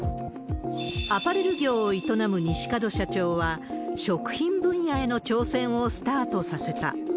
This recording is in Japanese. アパレル業を営む西門社長は、食品分野への挑戦をスタートさせた。